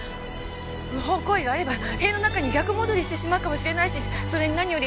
不法行為があれば塀の中に逆戻りしてしまうかもしれないしそれに何より。